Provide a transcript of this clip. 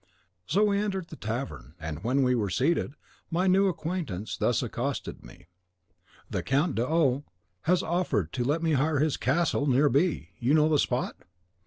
So we entered the tavern. When we were seated, my new acquaintance thus accosted me: 'The Count d'O has offered to let me hire his old castle near B . You know the spot?